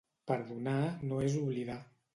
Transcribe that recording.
Perdonar no és oblidar.